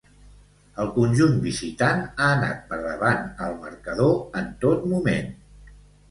El conjunt visitant ha anat per davant al marcador en tot moment.